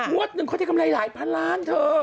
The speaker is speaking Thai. หมวด๑เขาได้คำนายหลายพันล้านเธอ